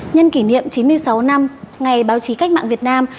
nhân kỷ niệm chín mươi sáu năm ngày báo chí cách mạng việt nam